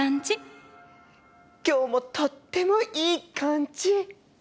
今日もとってもいい感じ！